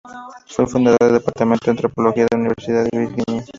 Fue el fundador del Departamento de Antropología en la Universidad de Virginia.